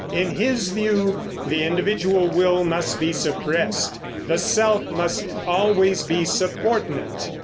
in his view, the individual will must be suppressed; the self must always be subordinate.